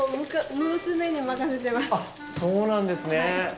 あっそうなんですね。